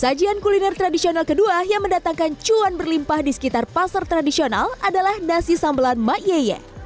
sajian kuliner tradisional kedua yang mendatangkan cuan berlimpah di sekitar pasar tradisional adalah nasi sambelan ⁇ mayeyye